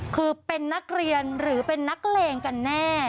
คือเป็นนักเรียนหรือเป็นนักเลงกันแน่